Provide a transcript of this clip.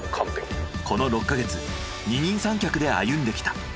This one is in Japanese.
この６か月二人三脚で歩んできた。